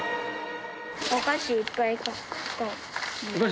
お菓子いっぱい買った。